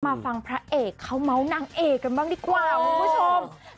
มาฟังพระเอกเขาเมาส์นางเอกกันบ้างดีกว่าคุณผู้ชม